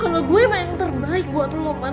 kalo gue berpikir sama yang terbaik buat lo man